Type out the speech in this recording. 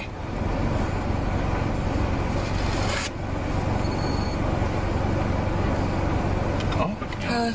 เท็จต้องทำมาดู